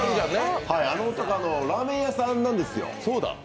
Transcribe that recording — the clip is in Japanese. あの男、ラーメン屋さんなんですよ。